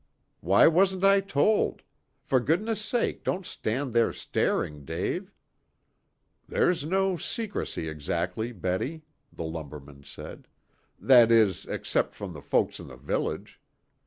"Why wasn't I told? For goodness' sake don't stand there staring, Dave." "There's no secrecy exactly, Betty," the lumberman said, "that is, except from the folks in the village.